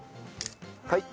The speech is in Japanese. はい。